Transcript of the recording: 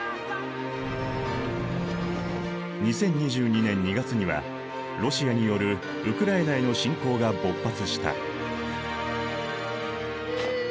２０２２年２月にはロシアによるウクライナへの侵攻が勃発した。